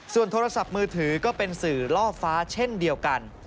ส่วนโทรศัพท์มือถือก็เป็นสื่อล่อฟ้าเช่นเดียวกัน